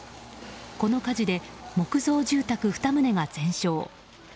この火事で、木造住宅２棟が全焼。